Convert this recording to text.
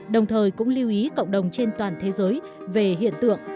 đồng thời cũng lưu ý cộng đồng trên toàn thế giới về hiện tượng